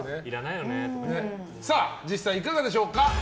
実際、いかがでしょうか。